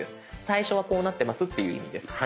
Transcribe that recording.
最初はこうなってますっていう意味です。